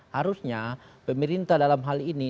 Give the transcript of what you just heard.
harusnya pemerintah dalam hal ini